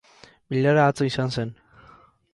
Bilera atzo izan zen.